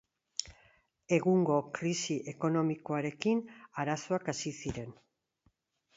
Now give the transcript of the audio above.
Egungo krisi ekonomikoarekin, arazoak hasi ziren.